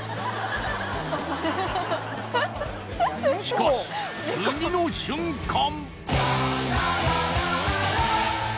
しかし次の瞬間！